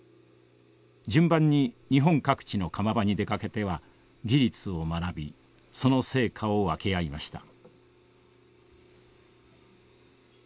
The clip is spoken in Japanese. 順番に日本各地の窯場に出かけては技術を学びその成果を分け合いました。